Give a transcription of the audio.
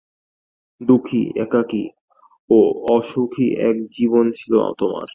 দুঃখী, একাকী, অসুখী এক জীবন ছিল তোমার।